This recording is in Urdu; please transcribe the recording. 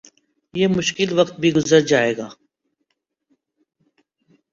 یہ مشکل وقت بھی گزر جائے گا